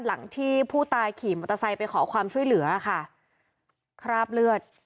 หลังที่ผู้ตายขี่มอเตอร์ไซค์ไปขอความช่วยเหลือค่ะคราบเลือด